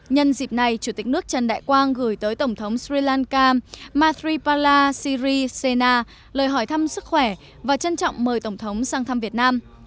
nhân dịp này chủ tịch nước trần đại quang gửi tới tổng thống sri lanka matri pala sirisena lời hỏi thăm sức khỏe và trân trọng mời tổng thống sang thăm việt nam